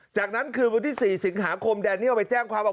จากนั้นคืนวันที่๔สิงหาคมแดเนียลไปแจ้งความว่า